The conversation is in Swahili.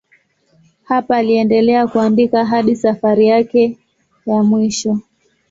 Hapa aliendelea kuandika hadi safari yake ya mwisho.